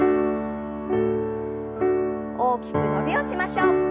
大きく伸びをしましょう。